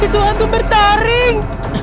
itu hantu bertaring